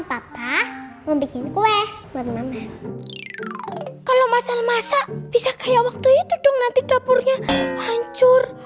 papa mau bikin kue bermanfaat kalau masal masal bisa kayak waktu itu dong nanti dapurnya hancur